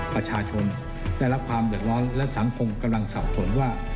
ประชาชนได้รับความเดือดร้อนและสังคมกำลังสับสนว่า